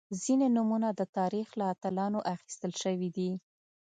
• ځینې نومونه د تاریخ له اتلانو اخیستل شوي دي.